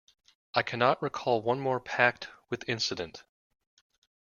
I cannot recall one more packed with incident.